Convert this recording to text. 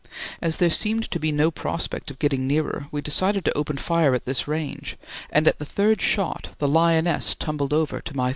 As there seemed to be no prospect of getting nearer we decided to open fire at this range, and at the third shot the lioness tumbled over to my